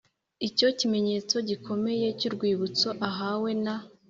icyo kimenyetso gikomeye cy'urwibutso ahawe na